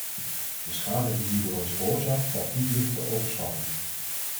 De schade die hierdoor is veroorzaakt valt niet licht te overschatten.